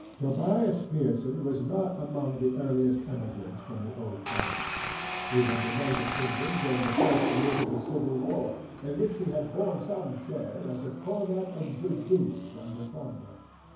Tobias Pearson was not among the earliest emigrants from the old country. He had remained in England during the first years of the Civil War, in which he had borne some share as a cornet of dragoons under Cromwell.